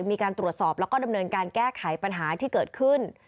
มีการตรวจสอบแล้วก็ดำเนินการแก้ไขปัญหาที่เกิดขึ้น